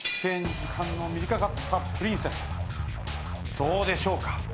どうでしょうか。